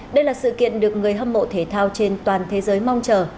đây là sự kiện được người hâm mộ thể thao trên toàn thế giới mong chờ